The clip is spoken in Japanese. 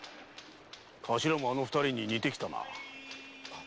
頭もあの二人に似てきたな。